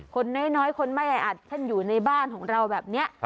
คนน้อยคนไม่อาจอยู่ในบ้านของเราแบบเนี่ย